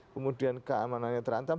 kemudian keamanannya terantam